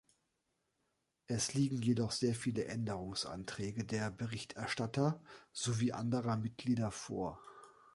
Es liegen jedoch sehr viele Änderungsanträge der Berichterstatter sowie anderer Mitglieder vor.